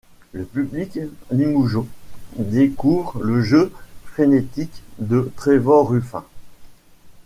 Le public limougeaud découvre le jeu frénétique de Trevor Ruffin.